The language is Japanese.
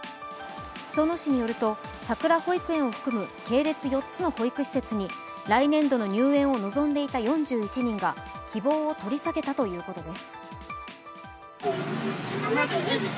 裾野市によると、さくら保育園を含む系列４つの保育施設に来年度の入園を望んでいた４１人が希望を取り下げたということです。